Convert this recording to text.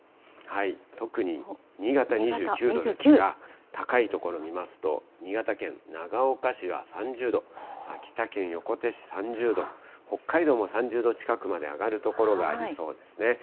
特に新潟２９度ですが、高い所見ますと、新潟県長岡市は３０度、秋田県横手市３０度、北海道も３０度近くまで上がる所がありそうですね。